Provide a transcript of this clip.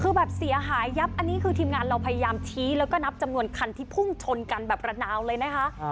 คือแบบเสียหายยับอันนี้คือทีมงานเราพยายามชี้แล้วก็นับจำนวนคันที่พุ่งชนกันแบบระนาวเลยนะคะ